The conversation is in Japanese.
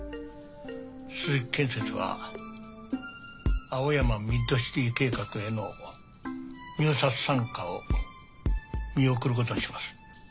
鈴木建設は青山ミッドシティ計画への入札参加を見送ることにします。